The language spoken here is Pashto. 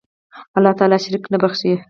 الله تعالی شرک نه بخښي